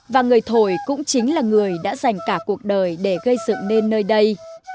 và người thổi cũng chính là người đã dành cả cuộc đời để gây dựng nên nơi đây